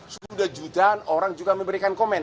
sudah jutaan orang juga memberikan komen